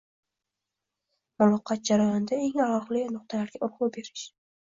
muloqot jarayonida eng og‘riqli nuqtalarga urg‘u berish